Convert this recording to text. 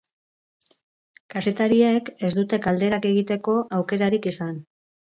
Kazetariek ez dute galderak egiteko aukerarik izan.